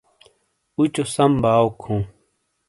اوچو سم باؤک ہوں۔